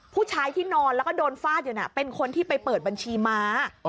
ผู้ชายที่นอนแล้วก็โดนฟาดอยู่น่ะเป็นคนที่ไปเปิดบัญชีม้า